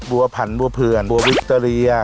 บัวพันธุ์บัวเพื่อนบัววิกเตอรีย์